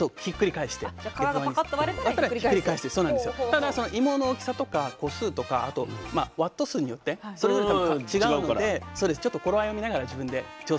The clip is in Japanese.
ただいもの大きさとか個数とかあとワット数によってそれぞれ違うので頃合いを見ながら自分で調節して。